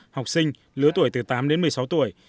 học sinh lứa tuổi từ tám đến một mươi sáu tuổi